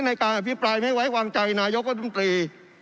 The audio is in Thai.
ในการอภิไปไม่ไว้ฝังใจนายกว่าดิวนตรี